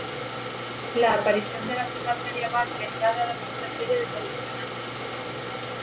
La aparición de la ciudad medieval vendrá dada por una serie de condicionantes.